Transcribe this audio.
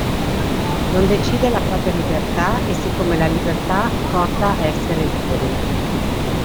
Non decide la propria libertà e siccome la libertà porta a essere liberi.